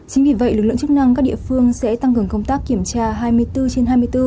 chính vì vậy lực lượng chức năng các địa phương sẽ tăng cường công tác kiểm tra hai mươi bốn trên hai mươi bốn